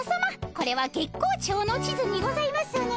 これは月光町の地図にございますね？